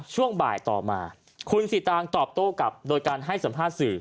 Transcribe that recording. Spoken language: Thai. ช่วงบ่ายต่อมาคุณสีตางตอบโต้กลับโดยการให้สัมภาษณ์สื่อ